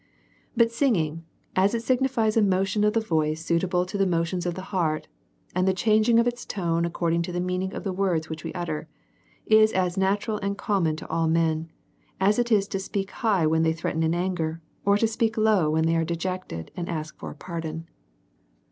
But singing j as it signifies a motion of the voice suit able to the motions of the heart, and the changing of its tone according to the meaning of the words which we utter, is as natural and common to all men as it is to speak high when they threaten in anger, or to speak low when they are dejected and ask for a pardon.